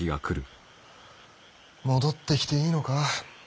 戻ってきていいのか。